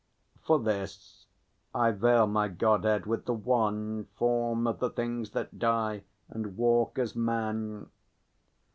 For this I veil my godhead with the wan Form of the things that die, and walk as Man.